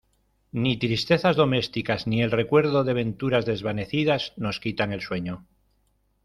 Ni tristezas domésticas ni el recuerdo de venturas desvanecidas nos quitan el sueño.